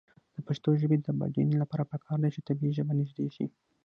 د پښتو ژبې د بډاینې لپاره پکار ده چې طبعي ژبه نژدې شي.